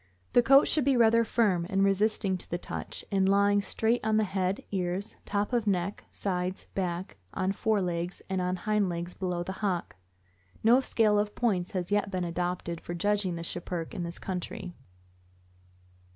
The coat should be rather firm and resisting to the touch, and lying straight on head, ears, top of neck, sides, back, on fore legs, and on hind legs below the hock. No scale of points has yet been adopted for judging the Schipperke in this country.